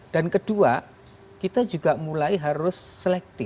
dan kedua kita juga mulai harus selektif